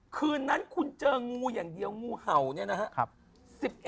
คืนนั้นคุณเจองูอย่างเดียวงูเห่าเนี่ยนะครับ